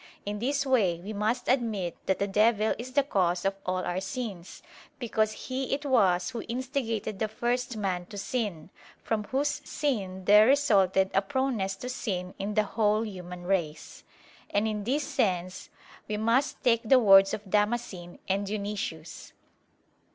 In this way we must admit that the devil is the cause of all our sins; because he it was who instigated the first man to sin, from whose sin there resulted a proneness to sin in the whole human race: and in this sense we must take the words of Damascene and Dionysius.